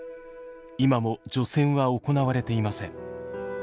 今も除染は行われていません。